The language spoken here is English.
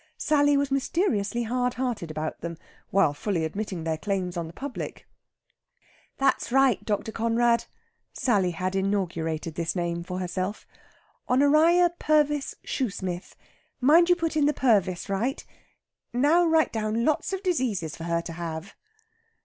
Sally was mysteriously hardhearted about them, while fully admitting their claims on the public. "That's right, Dr. Conrad" Sally had inaugurated this name for herself "Honoria Purvis Shoosmith. Mind you put in the Purvis right. Now write down lots of diseases for her to have."